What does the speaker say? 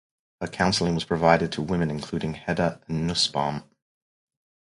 Her counseling was provided to women including Hedda Nussbaum.